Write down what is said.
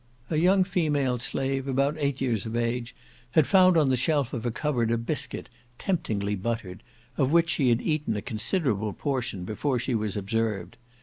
A young female slave, about eight years of age, had found on the shelf of a cupboard a biscuit, temptingly buttered, of which she had eaten a considerable portion before she was observed.